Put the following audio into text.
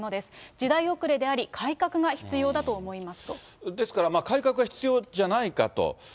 時代遅れであり、ですから、改革が必要じゃないかと。